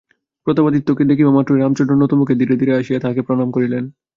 প্রতাপাদিত্যকে দেখিবামাত্রই রামচন্দ্র নতমুখে ধীরে ধীরে আসিয়া তাঁহাকে প্রণাম করিলেন।